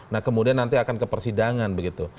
nah kemudian nanti akan ke persidangan begitu